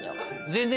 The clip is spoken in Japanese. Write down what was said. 全然。